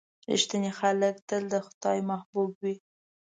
• رښتیني خلک تل د خدای محبوب وي.